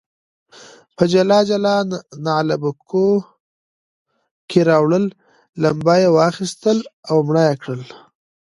په جلا جلا نعلبکیو کې راوړل، لمبه یې واخیستل او مړه یې کړل.